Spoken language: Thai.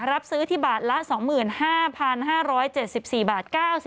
รับซื้อที่บาทละ๒๕๕๗๔บาท